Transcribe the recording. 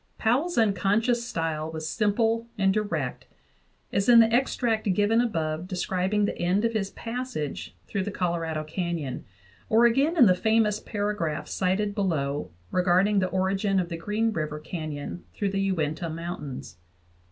Powell's unconscious style was simple and direct, as in the extract given above describing the end of his passage through the Colorado Canyon, or again in the famous paragraphs cited below regarding the origin of the Green River canyon through the Uinta Mountains.